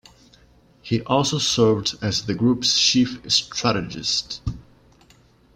He also served as the group's chief strategist.